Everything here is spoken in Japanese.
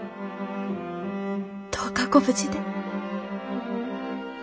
どうかご無事で。